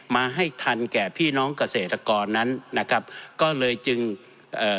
มาให้ทันแก่พี่น้องเกษตรกรนั้นนะครับก็เลยจึงเอ่อ